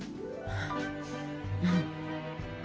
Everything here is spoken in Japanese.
うん。